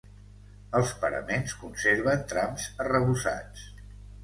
Els paraments conserven trams arrebossats.